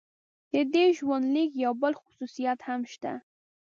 د دې ژوندلیک یو بل خصوصیت هم شته.